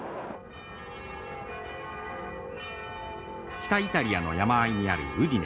北イタリアの山あいにあるウディネ。